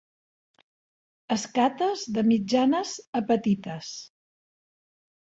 Escates de mitjanes a petites.